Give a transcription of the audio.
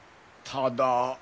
ただ。